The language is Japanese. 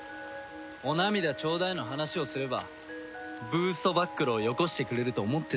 お涙頂戴の話をすればブーストバックルをよこしてくれると思ってたよ。